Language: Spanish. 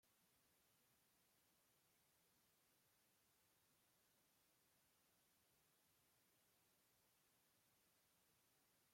El edificio ha sufrido profundas alteraciones en algunas naves, y especialmente en las fachadas.